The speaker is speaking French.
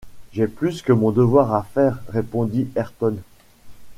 J’ai plus que mon devoir à faire, répondit Ayrton.